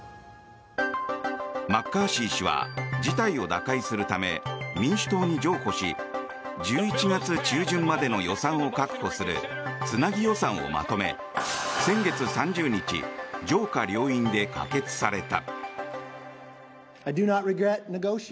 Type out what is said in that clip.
マッカーシー氏は事態を打開するため民主党に譲歩し１１月中旬までの予算を確保するつなぎ予算をまとめ先月３０日上下両院で可決された。